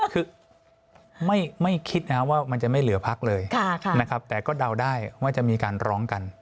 คือไม่คิดนะครับว่ามันจะไม่เหลือพักเลยนะครับแต่ก็เดาได้ว่าจะมีการร้องกัน